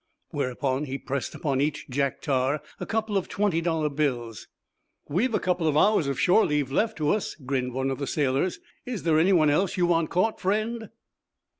Whereupon he pressed upon each Jack Tar a couple of twenty dollar bills. "We've a couple of hours of shore leave left to us," grinned one of the sailors. "Is there anyone else you want caught, friend?"